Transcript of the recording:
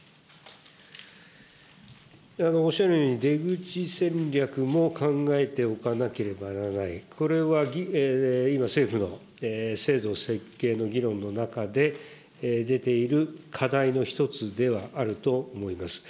おっしゃるように、出口戦略も考えておかなければならない、これは、今、政府の制度設計の議論の中で出ている課題の１つではあると思います。